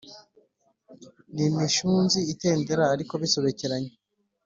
n’imishunzi itendera, ariko bisobekeranye